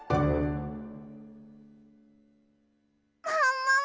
ももも！